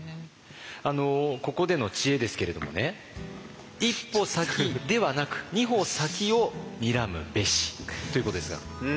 ここでの知恵ですけれどもね「一歩先ではなく二歩先をにらむべし」ということですが。